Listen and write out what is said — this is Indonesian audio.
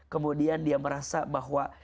kemudian dia merasa bahwa